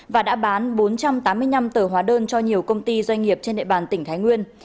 và đã bán bốn trăm tám mươi năm tờ hóa đơn cho nhiều công ty doanh nghiệp trên địa bàn tỉnh thái nguyên